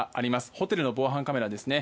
ホテルの防犯カメラですね。